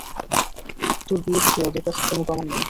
তোর বিরুদ্ধে ওদের কাছে কোনো প্রমাণ নেই।